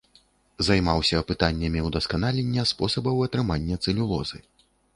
Займаўся пытаннямі ўдасканалення спосабаў атрымання цэлюлозы.